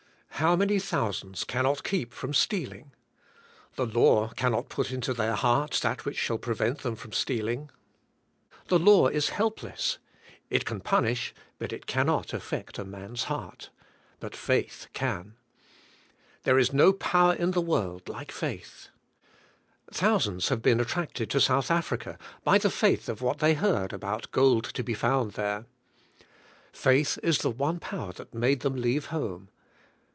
How many thousands cannot keep from stealing*. The law cannot put into their hearts that which shall pre vent them from stealing". The law is helpless. It THK HOLY SPIRIT IN GALATIANS. Ill can punish but it cannot affect a man's heart. But faith can. There is no power in the world like faith. Thousands have been attracted to South Africa bj the faith of what they heard about gold to be found there. Faith is the one power that made them leave home.